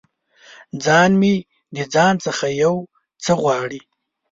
ځان مې د ځان څخه یو څه غواړي